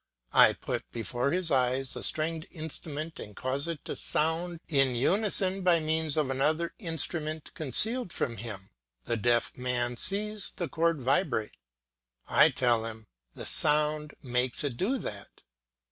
I put before his eyes a stringed instrument and cause it to sound in unison by means of another instrument concealed from him; the deaf man sees the chord vibrate. I tell him, "The sound makes it do that."